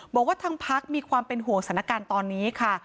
บอกว่าทางพักมีความเป็นห่วงสถานการณ์ตอนนี้ค่ะ